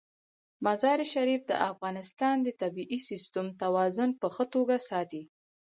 مزارشریف د افغانستان د طبعي سیسټم توازن په ښه توګه ساتي.